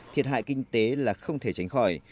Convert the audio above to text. thiệt hại kinh tế là không thể tránh khỏi